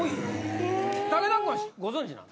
武田君はご存じなん？